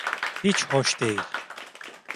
Hiç hoş değil.